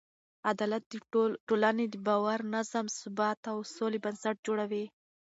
عدالت د ټولنې د باور، نظم، ثبات او سوله بنسټ جوړوي.